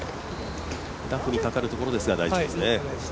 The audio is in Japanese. ダフにかかるところですが大丈夫ですね。